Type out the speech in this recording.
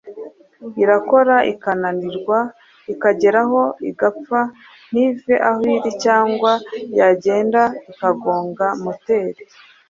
irakora ikananirwa ikagera aho igapfa ntive aho iri cyangwa yagenda ikagonga moteri.